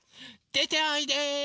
でておいで。